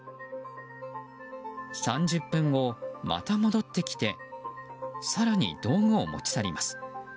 ３０分後、また戻ってきて更に道具を持ち去ります。